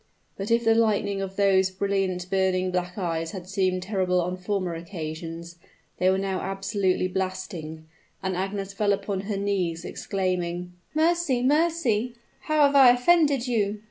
But, if the lightning of those brilliant, burning, black eyes had seemed terrible on former occasions, they were now absolutely blasting, and Agnes fell upon her knees, exclaiming, "Mercy! mercy! how have I offended you?"